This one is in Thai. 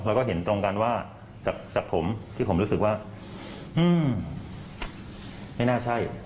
แล้วก็เห็นตรงกันว่าจากผมที่ผมรู้สึกว่าไม่น่าใช่